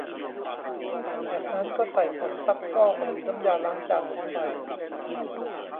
จากนั้นก็ใส่ผงซักฟอกหรือน้ำยาล้างจานลงไป